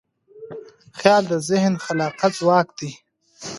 خیال د ذهن خلاقه ځواک دی.